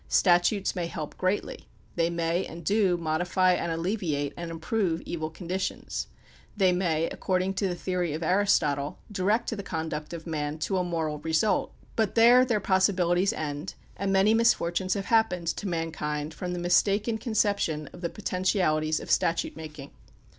Statutes may help greatly, they may and do modify and alleviate and improve evil conditions, they may, according to the theory of Aristotle, direct the conduct of men to a moral result, but there their possibilities end, and many misfortunes have happened to mankind from the mistaken concep tion of the potentialities of statute making.